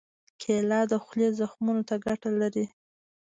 کېله د خولې زخمونو ته ګټه لري.